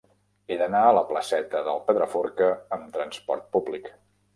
He d'anar a la placeta del Pedraforca amb trasport públic.